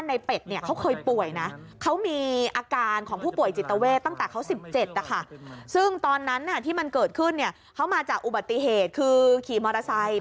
ในเป็ดเค้าเคยป่วยนะเขามีอาการของผู้ป่วยจิตเวทตั้งแต่เค้า๑๗ค่ะซึ่งตอนนั้นน่ะที่มันเกิดขึ้นเนี่ย